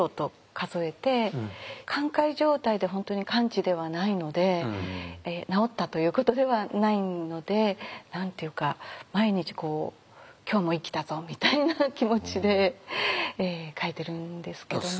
寛解状態で本当に完治ではないので治ったということではないので何て言うか毎日こう「今日も生きたぞ」みたいな気持ちで書いてるんですけども。